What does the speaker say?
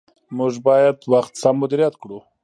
موږ باید وخت سم مدیریت کړو